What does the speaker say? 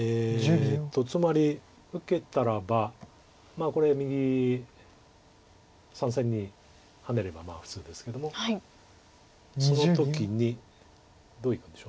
つまり受けたらばこれ右３線にハネれば普通ですけどもその時にどういくんでしょう。